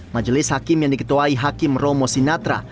majelis hakim yang diketuai hakim romo sinatra